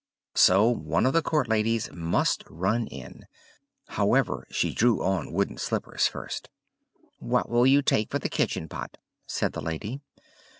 So one of the court ladies must run in; however, she drew on wooden slippers first. "What will you take for the kitchen pot?" said the lady.